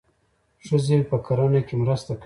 ښځې په کرنه کې مرسته کوي.